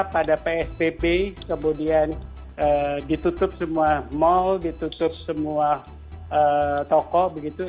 pada psbb kemudian ditutup semua mal ditutup semua toko begitu